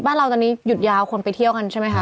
บ้านเราตอนนี้หยุดยาวคนไปเที่ยวกันใช่ไหมคะ